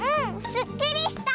すっきりした！